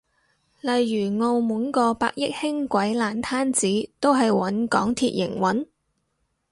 例如澳門個百億輕軌爛攤子都係搵港鐵營運？